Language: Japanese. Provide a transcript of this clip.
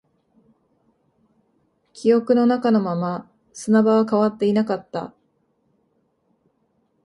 記憶の中のまま、砂場は変わっていなかった